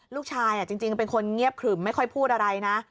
จริงเป็นคนเงียบขรึ่มไม่ค่อยพูดอะไรนะ